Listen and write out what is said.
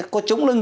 có chống lưng